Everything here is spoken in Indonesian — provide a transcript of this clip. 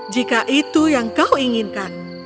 jika itu yang kau inginkan